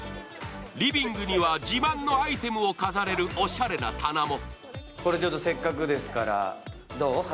リビングには自慢のアイテムを飾れるおしゃれな棚も。